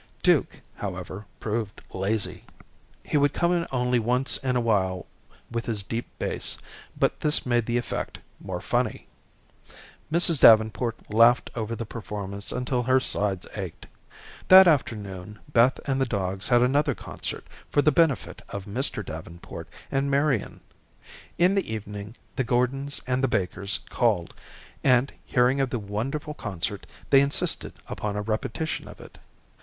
Duke, however, proved lazy. He would come in only once in a while with his deep bass, but this made the effect more funny. Mrs. Davenport laughed over the performance until her sides ached. That afternoon Beth and the dogs had another concert for the benefit of Mr. Davenport and Marian. In the evening the Gordons and the Bakers called, and, hearing of the wonderful concert, they insisted upon a repetition of it.